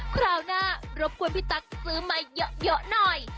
คราวหน้ารบกวนพี่ตั๊กซื้อมาเยอะหน่อย